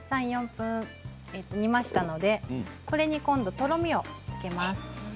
３、４分煮ましたのでこれにとろみをつけます。